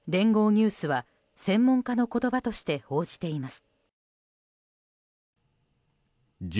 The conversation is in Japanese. ニュースは専門家の言葉として報じています。